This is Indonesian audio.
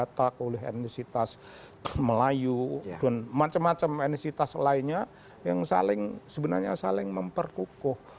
letak oleh etnisitas melayu dan macam macam etnisitas lainnya yang saling sebenarnya saling memperkukuh